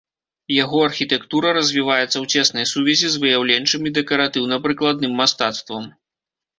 Яго архітэктура развіваецца ў цеснай сувязі з выяўленчым і дэкаратыўна-прыкладным мастацтвам.